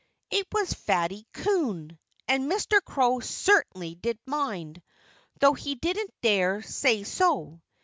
It was Fatty Coon! And Mr. Crow certainly did mind though he didn't dare say so.